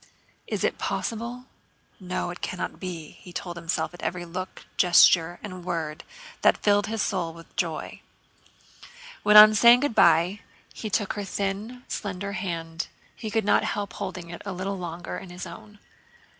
"Is it possible? No, it can't be," he told himself at every look, gesture, and word that filled his soul with joy. When on saying good by he took her thin, slender hand, he could not help holding it a little longer in his own.